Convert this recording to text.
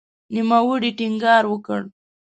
نوموړي ټینګار وکړ